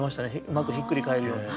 うまくひっくり返るように。